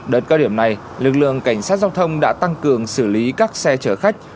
đợt cao điểm này lực lượng cảnh sát giao thông đã tăng cường xử lý các xe chở khách